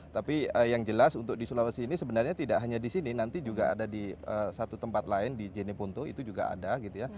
tapi yang jelas untuk di sulawesi ini sebenarnya tidak hanya di sini nanti juga ada di satu tempat lain di jeneponto itu juga ada gitu ya